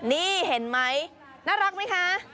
นี่เห็นมั้ยน่ารักมั้ยคะ